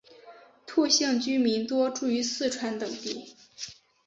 兔姓居民多住于四川等地。